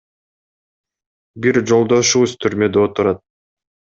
Бир жолдошубуз түрмөдө отурат.